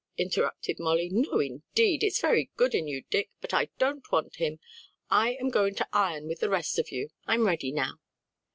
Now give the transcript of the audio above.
interrupted Molly. "No, indeed! It's very good in you, Dick, but I don't want him; I am going to Ion with the rest of you. I'm ready now."